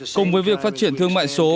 cùng với việc phát triển thương mại số